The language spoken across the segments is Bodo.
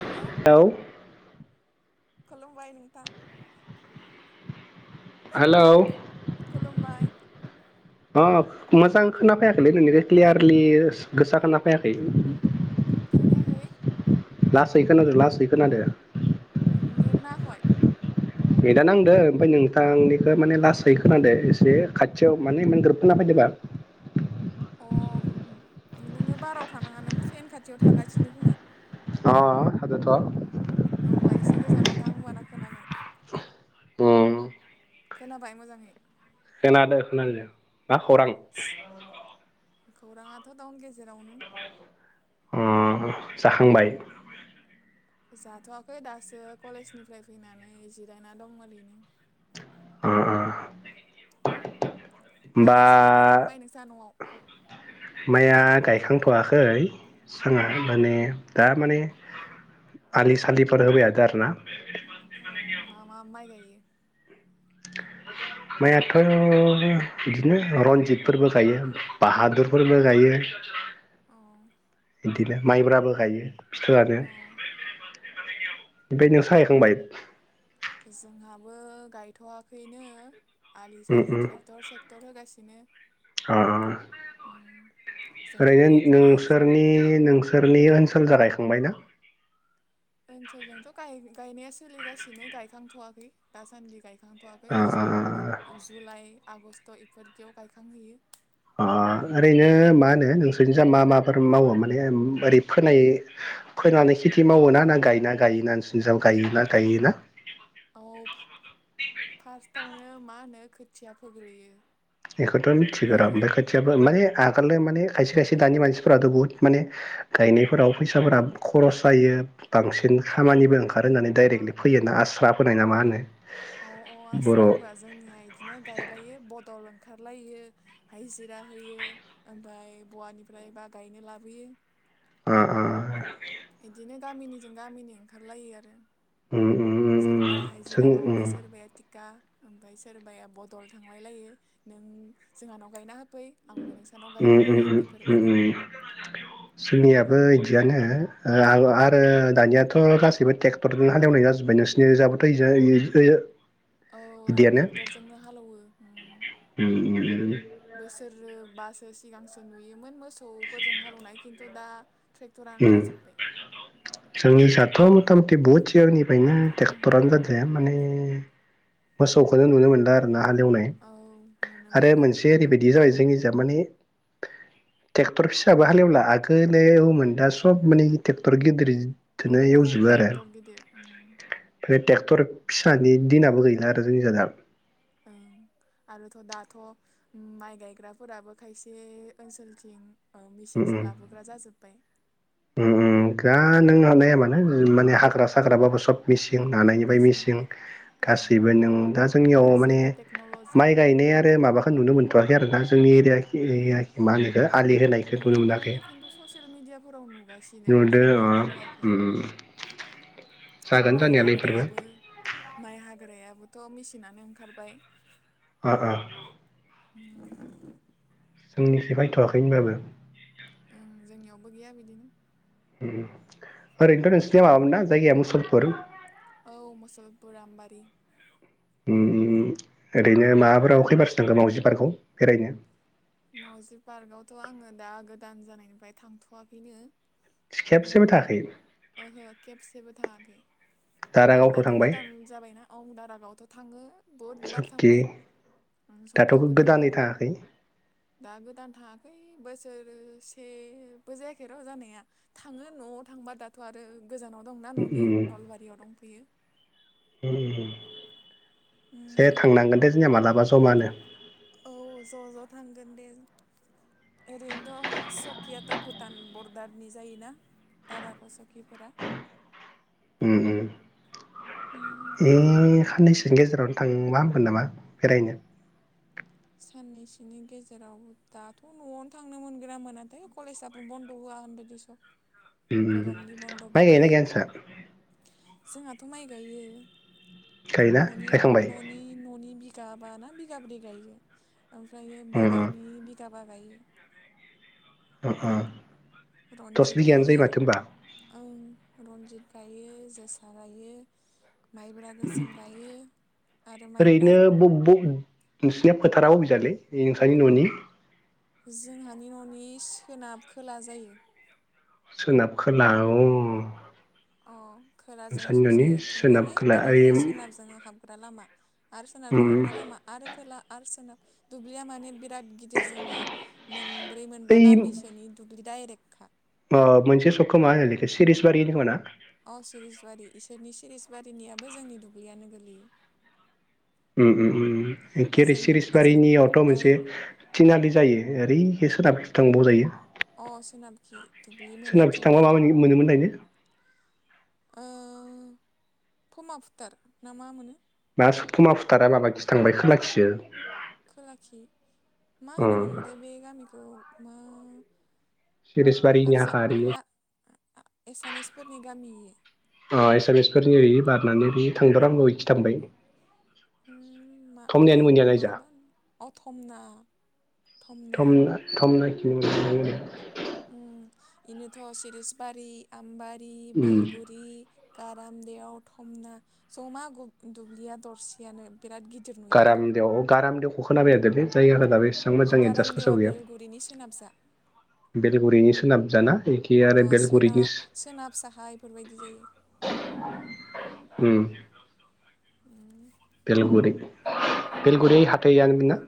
हेल' हेलौ खुलुमबाय नोंथां। हेलौ कुलुमबाय। अ मोजां खोनाफायाखैलै नोंनिखौ क्लियारलि गोसा खोनाफैयाखै। खोनायाखै लासै खोनादों लासै खोनादों। नेद नांङाखै। नेदआ नांदो ओमफ्राय नोंथांनिखौ माने लासै खोनादो एसे खाथियाव माने एमान ग्रोबथा खोनाफैदों। द [unintelligible] अ नोङो बाराव थानाङा नों फेन खाथियाव थागासिनो खोमा। अ थादोथ'। होमबा एसे गोजानाव थां होनबाना खोनागोन। उम खोनाबाय मोजाङै। खोनादों खोनानाया मा खौरां? खौरांङाथ' दाउन गेजेरावनो अ अ जाखांबाय। जाथ'वाखै दासो कलेजनिफ्राय फैनानै जिरायना दंमोनओरैनो। अ होमबा माइ साइ गायखांबाय नोंसा न'आव माइया गायखांथ'आखै जोंहा माने दा माने आलि सालिफोर होबायहादों आरोना। अ मा मा माइ गायो? [inaudible] माइयाथ' बिदिनो रन्जितफोरबो गायो बाहादुरफोरबो गायो [inaudible] औ बिदिनो माइब्राबो गायो फिथोरानो अ ओमफाय नोंसा गायखांबाय? जोंहाबो गायथ'वाखैनो आलि उम सालि उम ट्रेक्टर सेक्टर होगासिनो अ अ उम ओरैनो जोंहाबो इदिनो नोंसोरनि नोंसोर सोरनि ओनसोलजा गायखांबाय ना? ओनसोलजोंथ' गाय गायनाया सोलिगासिनो गायखांथ'वाखै दासान्दि गायखां थ'वाखै अ अ जुन जुलाइ आगस्ट' इफोरदियाव गायखांहैयो अ ओरैनो मा होनो नोंसोर? जा मा माफोर मावो माने बोरै फोनाय फोनानै खेथि मावोना ना गायना गायोना नोंसिनिजों गायोना गायोना? औ फास्टावनो मा होनो खोथिया फोग्रोयो बेखौथ' मिथिगो र' ओमफ्रायो ओमफ्राय खोथियाबो अ माने आगोलनो माने खायसे खायसे दानि मानसिफोराथ' बुहुत माने गायनायफोराव फैसाफोरा खरस जायो बांसिन खामानिबो ओंखार होननानै डायरेक्टलि फैयोना आस्रा फोनाय ना मा होनो अ अ बर' आस्रा ओ फोआ जोंनिया बिदिनो गायलायो बदल खारलायो हाइजिरा होयो ओमफ्राय बहानिफ्रायबा गायनो लाबोयो अ अ बिदिनो गामिनिजों गामिनि ओंखारलायो आरो उम उम उम उम सोरबाया जों हाजिरा मावो उम सोरबाया थिका ओमफ्राय सोरबाया बदल थांलाय लायो नों जोंहानाव गायना हो उम उम उम उम उम जोंनियाबो इदियानो ओ आबो आरो दानियाथ' गासैबो ट्रेक्टरजोंनो हालेवनाय जाजोब्बाय नोंसिनि इजाबोथ' ओइजा ओइयो औ औ ट्रेक्टरजोंनो हालेवो उम उम बोसोर बासो सिगांसो नुयोमोन मोसौफोरजों हालौनाय खिन्थु दा ट्रेक्टरानो उम जाजोब्बाय जोंनिजायथ' मथा मथि बहुत सिगांनि फायनो उम ट्रेक्टरानो जादिया माने मोसौखौनो नुनो मोनला आरो ना हालेवनाय औ नुनो आरो मोनला मोनसे ओरैबायदि जाबाय जोंहा जोंनिजा माने ट्रेक्टर फिसाबो हालेवला आगोलो एवोमोन दा सब माने ट्रेक्टर औ गिदिरदोनो औ एवजोबो आरो ट्रेक्टर गिदिर उम फ्राय ट्रेक्टर फिसानि दिनाबो गैला आरो जोंनिजा दा आ आरोथ' दाथ' माइ गायग्राफोराबो खायसे ओनसोलथिं उम मेसिनसो उम लाबोग्रा जाजोबबाय उम उम दा नों हानाया मानो माने हाग्रा साग्राबाबो सब मिसि जों नानायनिफ्राय मेचिन मिसिं ओ गासैबो नों दा जोंनियाव माने गासैबो टेक्न'ल'जि माइ गायनाय आरो माबाखौ नुनो मोनथ'वाखै आरो ना जोंनि एरिया खि औ मा होनो बेखौ आलि होनायखौ नुनो मोनाखै खिन्थु ससियेल मिडियाफोराव नुगासिनो नुदों अ ओम जोंनियावबो नुवाखै ओम उम माइ हाग्रायाबो माइ हाग्रा याबोथ' मेसिनानो ओंखारबाय ओ ओ जोंनिथिं फायथ'वाखै होनबाबो [inaudible] ओरैनोथ' नोंसिनिया माबामोन ना जायगाया मुसलपुर औ मुसलरफुर आमबारि उम ओरैनो माबाफोराव खैबारसो थांखो मावजि पार्कआव बेरायनो मावजि पार्कआवथ' आङो दा गोदान जानायनिफ्राय थांथ'वाखैनो खेबसेबो थाङाखै [inaudible] गोदान दारागावथ' दाथ' थांबाय गोदान जाबायना ओं दारागावथ' थाङो बुहुदबार सकि थांबाय ओं दाथ' सकियावबो थाङो गोदानै थाङाखै? दा गोदान थाङाखै बोसोरसेबो जायाखै र' जानाया थाङो न'आव थांबा दा दाथ' आरो गोजानाव दंना उम न'नि उम नलबारियाव दंफैयो [inaudible] उम दे उम थांनांगोन दे जोंनिया मालाबा जमानो औ ज' ज' थांगोन दे जों ओरैनोथ' सकियाथ' भुटान बरडारनि जायोना? दारा गसखिफोरा [inaudible] उ उम उम ए साननैसोनि गेजेरावनो थांबा होमगोन नामा बेरायनो? [inaudible] [inaudible] गरमनि बन्द'बो माइ गायोना गैया गाया नोंस्रा? जोंहाथ' माइ गायो गायोना न'नि गायखांबाय न'नि न'नि बि बिगाबाना बिगाब्रै गायो ओमफ्रायो उम बेलेगनि बिगाबा गायो। थाका रनजित गायो ओं रनजित गायो जोसा गायो माइब्रा गोसोम गायो आरो माइब्रा ओरैनो ब ब नोंसिनिया फोथारा अबिजायलै नोंसानि न'नि जोंहानि न'नि सोनाब खोला जायो। सोनाब खोला औ अ खोलााजों ससे सोनाब थांनानै खोला ओइ ओरैजाय सोनाबजों हाबग्रा लामा आरो सोनाबजों उम हमग्रा लामा आरो खोला आरो सोनाब दुब्लिया माने बिराद गिदिर जोंनिया मोनब्रै मोनबा ओइ गामिसोनि दायरेकखा मोनसे सकखौ मा होनोलैखो सिरिसबारि होनो खोमा ना? अ सिरिस बारि इसोरनि सिरिस बारिनियाबो जोंनि दुब्लियानो गोलैयो उ उ उम एखे ओजों ओजों सिरिसबारिनियावथ' मोनसे तिनालि जायो ओरैखै सोनाबथिं थांबाव जायो अ सोनाबखि दुब्लि सोनाबखि थांबा मोनैथिंबो मा मोनोमोन लायनो ओ फमा फुथार ना मा मोनो दा फमा फुथारा माबाखिसो थांबाय खोलाखिसो खोलाखि मा अ होनोमोनथाय बे गामिखौ मा सिरिसबारनि हारसा हाखा आरो बियो हा एसामिसफोरनि गामि अ एसामिसफोरनि ओरै बारनानै बि थांदर आं बखि थांबाय उम मा थमनायानो मायो मोनैया मा नायजा मा [unintelligible] अथमना थमना थमनाखि मोनलाङो [unintelligible] उम इनोथ' सिरिसबारि, आम्बारि, उम बेलगुरि गाराम देयाव थमना जमा गुब दुब्लिया दरसेयानो। बिराद गिदिर नुयो आरो गारामदेव गारामदेवखौ खोनाबाय आरो दे बे जायगाखो दाबेस सां मोजां एदजास गारामदेवा गोसोवाव गैया। बेलगुरिनि सोनाबजा बेलगुरिनि सोनाब जाना ए अ' सोनाब सोनाब साहा एफोरबायदि जायो। उम उम बेलगुरि बेलगुरि हाथायानोमोन ना?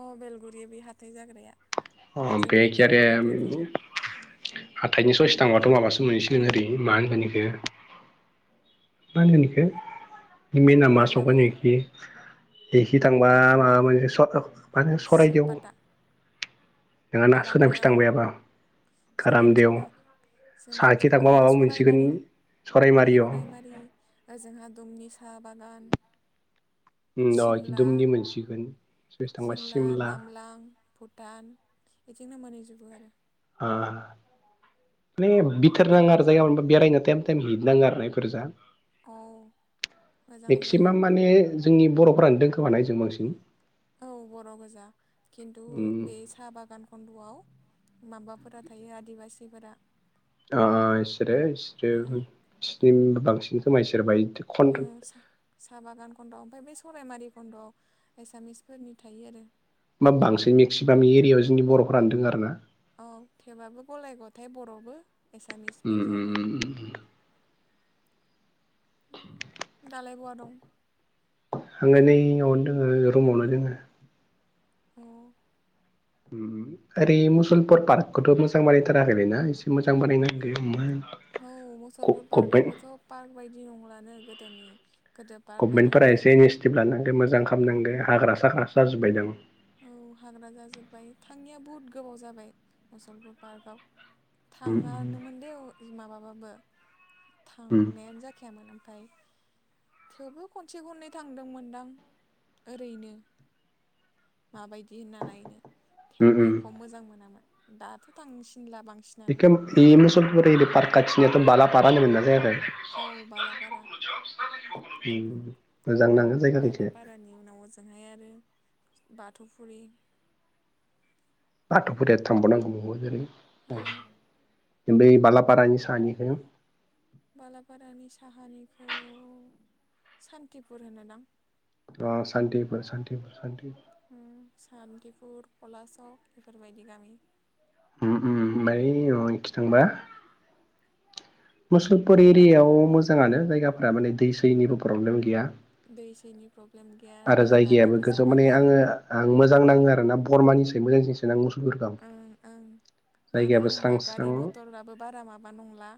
अ' बेलगुरि बे हाथाय जाग्राया। अ' बे जोंबो बेयावनो गेरेम हाथायाव थाङो हाथाइनि ससे थांबाथ' माबासो मोनहैसिगोन ओरै मा होनगोन एखो मा होनगोन इखो म [unintelligible] नामा बांनाबारि, संखोनिखि एखि थांबा माबा मोनसे सदखाद माने सरायदेव सिलपाता, नोङाना सोनाबखि गारामदेव थांबायाबा। सोनाबथिं कारामदेव थां। साहाखि सोनाबथिं थांबा माबा मोनसिगोन सरायमारि सरायमारिअ ओ जोंहा दुमनि साहा बागान। उम सिमला द-दमनि मोनसिगोन। सोरखि थांबा सिमला, नामलां, भुटान इथिंनो मोनहैजोबो आरो। ओ ने बिथोर नाङो आरो जायगा बेरायनो थायम थायम हिद नाङो आरो ना इफोरजा। औ मोजां जायो मेक्सिमाम माने जोंनि बर'फ्रानो दोंखोमाना‌ इजों बांसिन। औ बर' गोजा खिन्थु उम बे साहा बागान खन्द'आव माबाफोरा थायो आदिबासिफोरा। अ' इसोरो इसोरो ओं सिन बांसिन खोमा इसोर बाय खन उम सा-सा बागान खन्द'आव ओमफ्राय बे सरायमारि खन्द'आव एसामिसफोरनि थायो आरो‌। मा बांसिन मेक्सिमाम एरियायाव जोंनि बर'फोरानो दोङो आरो ना। औ थेबाबो गलाय गथाय बर'बो एसामिसबो ज'मा। दालाय बवा दं? आङो नैयावनो दोङो रुमावनो दोङो। औ उम उम ओरै मुसलपुर पार्कखौथ' मोजां बानायथाराखैलै ना एसे मोजां बानायनो गौ मान औ मुसलपुर पार्कआबोथ' पार्क बायदि नंलानो गोदोनि गोदो पार्क बायदि गभमेन्टफोरा एसे नुयोमोन इनिसटिभ लानांगो मोजां खालामनांगो हाग्रा साग्रा जाजोबाय दां। औ हाग्रा जाजोब्बाय थाङिया बुहुद गोबाव जाबाय मुसलपुर पार्कआव। उम थाङानोमोन दे अ' माबाबाबो उम थांनायानो जाखायामोन ओम फाय थेवबो खनसे खननै थांदोंमोनदां ओरैनो। माबायदि होनना नायनो उम थेवबो उम एख' मोजां मोनामोन दाथ' थांसि बेखो उम इ मसलपुरिनि पार्क खाथिनोथ' बालाफारा होनोमोनना जायगाखौ। औ बालापारा उम बाला फारानि उनाव ओजोंहाय आरो बाथ'फुरि बाथौ फुरिया थांबाव नांगौ ओरै औ उम। उम बै बालापारानि सानिखो बालापारानि साहानिखौ सान्थिपुर होनोदां। अ' सान्थिफुर सान्थिफुर सान्थि उम सान्थिपुर कलासक बेफोरबायदि गामि उम उम बै माबानिखि थांबा मुसलपुर एरियायाव मोजाङानो जायगाफोरा माने दै सैनिबो प्रब्लेम गैया। दै सैनि प्रब्लेम गैया आरो जायगायाबो दैबानाबो गोजौ माने जाबाङा आङो आं मोजां नाङो आरोना बरमानिसाय मोजांसिनसो नांङो ओं ओं मानो स्रां होनब्ला स्रां गारि मटराबो बारा माबा नंला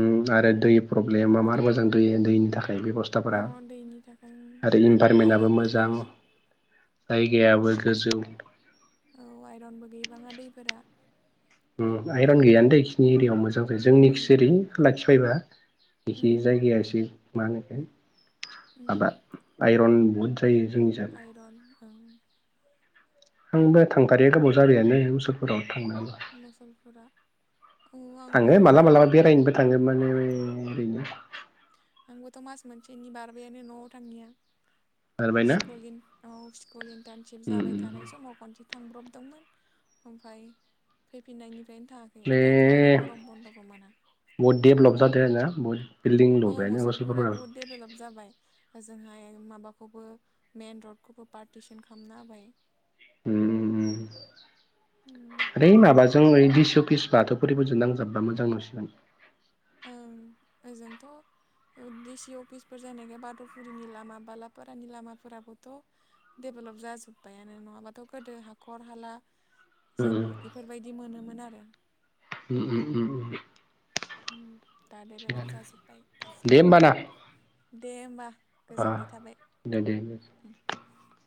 उम आरो दै प्रब्लेमा मार मोजां दै-दैनि था खाय अ बेब'स्थाफोरा दैनि थाखाय आरो इनभारमेन्टआबो आइरन मोजां। गैबाङा जायगायाबो गोजौ। औ आइरनबो गैबाङा दैफोरा। उम आयरन गैयानो दैेखिनि एरियायाव मोजां जायो जोंनिकिसो एरै उम खोलाखि फैबा बेखि उम जायगाया एसे मा होनो उम माबा आइरन बुहुद जायो जोंनि जा आइरन ओं आंबो थांथारिया गोबाव जाबायानो मसलफुराव। मुसलफोरा औ आंबोथ' थांगोन माने ओरैनो आंबोथ' मास मोनसेनि बारबायानो न'आव थाङिया। खारबायना स्कुल इन आव स्कुल इन्टार्नशिप जाबाय थानाय समाव खनसे थांब्रबदोंमोन ओमफ्राय फैफिननायनि फ्रायनो थाङाखै बे दाथ' आरो गरम बन्दबो मोना। बहुद डेभलप जादों आरोना बहुद बिल्डिं औ लुबायानो मुसलपुरा मुसलपुरफोराव बुहुद डेभेलप जाबाय। ओ जोंहाय माबाखौबो मेन रडखौबो पार्टिसन खालामना होबाय। उम उम ओरै माबाजों ओरै दिस अफिस बाथौफिरिफोरजों नांजाबबा मोजां नुसिगौमोन। ओं ओजोंथ' डिसि अफिसफोर जानायखाय बाथौफुरिनि लामा बालापारानि लामाफोराबोथ' भेलप जाजोब्बायानो नङाबाथ' गोदो हाखर हाला जों बेफोरबायदि मोनोमोन आरो दा डेभेलप जाजोब्बाय दे गासैबो। होमबाना दे होमबा गोजोननाय थाबाय। [inaudible]